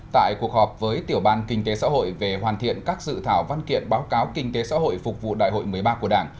tại cuộc họp với tiểu ban kinh tế xã hội về hoàn thiện các dự thảo văn kiện báo cáo kinh tế xã hội phục vụ đại hội một mươi ba của đảng